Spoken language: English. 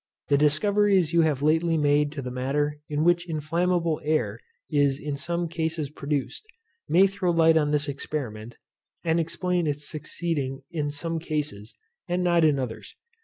The discoveries you have lately made of the manner in which inflammable air is in some cases produced, may throw light on this experiment, and explain its succeeding in some cases, and not in others.